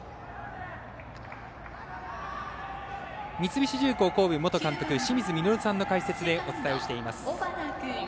三菱重工神戸元監督の清水稔さんの解説でお伝えしています。